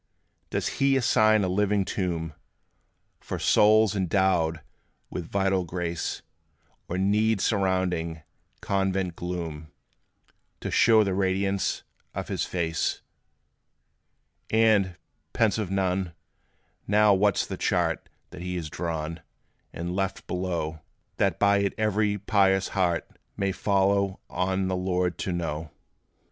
Does He assign a living tomb For souls, endowed with vital grace; Or need surrounding convent gloom, To show the radiance of his face? And, pensive Nun, now what 's the chart That he has drawn, and left below, That by it every pious heart May follow on the Lord to know?